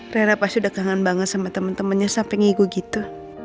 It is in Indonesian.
rera pas udah kangen banget sama temen temennya sampe ngigu gitu